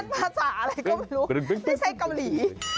ไม่ใช่เกาหลี